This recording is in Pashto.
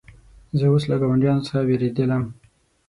زه اوس له ګاونډیانو څخه نه بېرېدلم.